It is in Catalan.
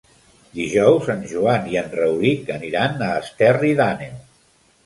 Dijous en Joan i en Rauric aniran a Esterri d'Àneu.